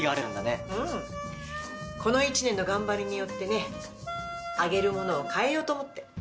うんこの１年の頑張りによってねあげる物を変えようと思って。